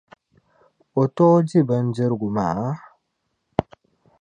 O tooi di bindirigu maa?